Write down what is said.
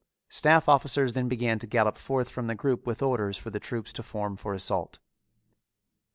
Staff officers then began to gallop forth from the group with orders for the troops to form for assault.